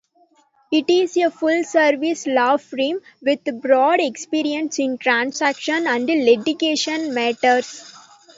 It is a full-service law firm, with broad experience in transaction and litigation matters.